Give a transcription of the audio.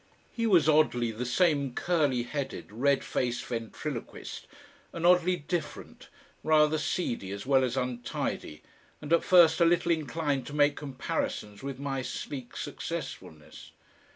He was oddly the same curly headed, red faced ventriloquist, and oddly different, rather seedy as well as untidy, and at first a little inclined to make comparisons with my sleek successfulness.